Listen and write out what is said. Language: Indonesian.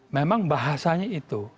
memang bahasanya itu